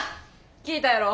聞いたやろ？